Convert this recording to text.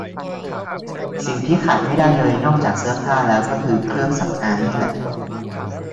สิ่งที่ขาดไม่ได้เลยนอกจากเสื้อผ้าแล้วก็คือเครื่องสำอางนี่แหละ